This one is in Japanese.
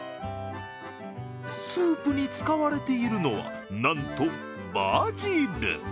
スープに使われているのはなんとバジル。